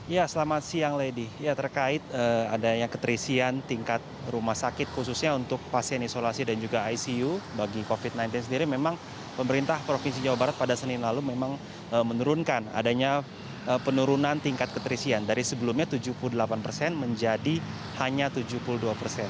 ya selamat siang lady ya terkait adanya keterisian tingkat rumah sakit khususnya untuk pasien isolasi dan juga icu bagi covid sembilan belas sendiri memang pemerintah provinsi jawa barat pada senin lalu memang menurunkan adanya penurunan tingkat keterisian dari sebelumnya tujuh puluh delapan persen menjadi hanya tujuh puluh dua persen